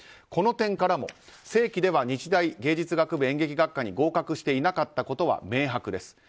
この点からも正規では日大芸術学部演劇学科に合格していなかったことは明白です。